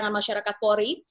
terangan masyarakat polri